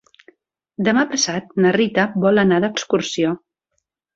Demà passat na Rita vol anar d'excursió.